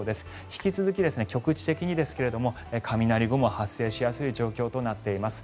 引き続き、局地的にですが雷雲が発生しやすい状況となっています。